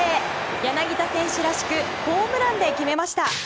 柳田選手らしくホームランで決めました。